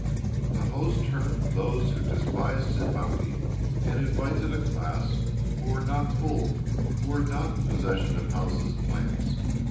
The host turned from those who despised his bounty, and imitcd a class who were not full, who were not in possession of houses and lands.